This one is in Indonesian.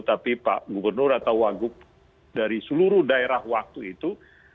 tapi pak gubernur atau wagub dari seluruh daerah waktu itu